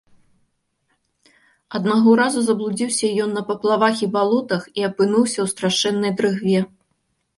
Аднаго разу заблудзіўся ён на паплавах і балотах і апынуўся ў страшэннай дрыгве.